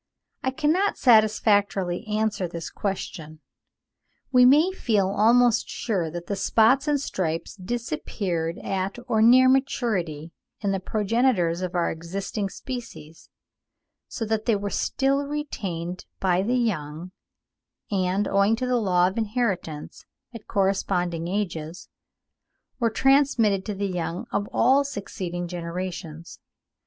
I cannot satisfactorily answer this question. We may feel almost sure that the spots and stripes disappeared at or near maturity in the progenitors of our existing species, so that they were still retained by the young; and, owing to the law of inheritance at corresponding ages, were transmitted to the young of all succeeding generations.